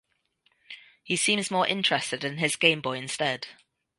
He seems more interested in his Game Boy instead.